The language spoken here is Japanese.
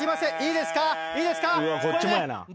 いいですか！？